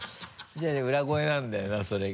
じゃあね裏声なんだよなそれが。